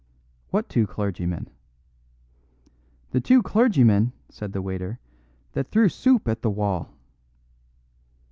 "What two clergymen?" "The two clergymen," said the waiter, "that threw soup at the wall."